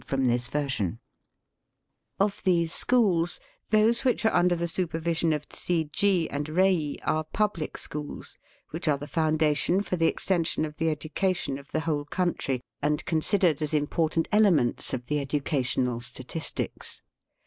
71 2 98 1,802 Total 22 28,736 2,296 31,054 Of these schools, those which are under the supervision of chiji and rei are public schools, which are the foundation for the extension of the education of the whole country, and considered as important ele ments of the educational statistics.